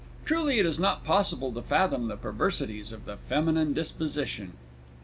Truly it is not possible to fathom the perversities of the feminine disposition!